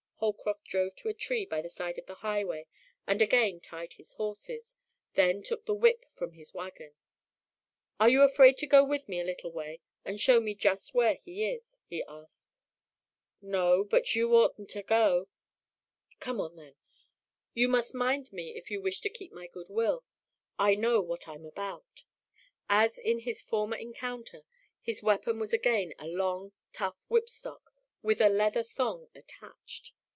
Holcroft drove to a tree by the side of the highway and again tied his horses, then took the whip from the wagon. "Are you afraid to go with me a little way and show me just where he is?" he asked. "No, but you oughtn' ter go." "Come on, then! You must mind me if you wish to keep my good will. I know what I'm about." As in his former encounter, his weapon was again a long, tough whipstock with a leather thong attached.